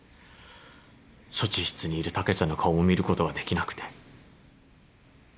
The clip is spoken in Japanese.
処置室にいる竹ちゃんの顔を見ることはできなくて。